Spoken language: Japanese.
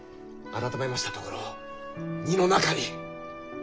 あらためましたところ荷の中に。